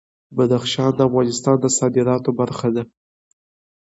بدخشان د افغانستان د صادراتو برخه ده.